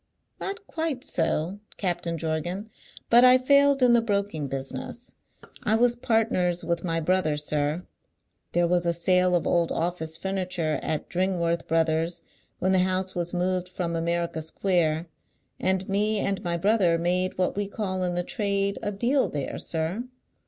"Not quite so, Captain Jorgan; but I failed in the broking business. I was partners with my brother, sir. There was a sale of old office furniture at Dringworth Brothers' when the house was moved from America Square, and me and my brother made what we call in the trade a Deal there, sir.